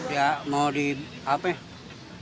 ya mau disuruh ke sana